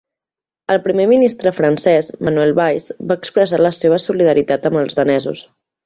El primer ministre francès, Manuel Valls, va expressar la seva solidaritat amb els danesos.